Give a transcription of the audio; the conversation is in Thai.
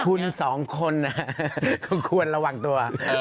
คน๒คนเขาควรระหว่างตัว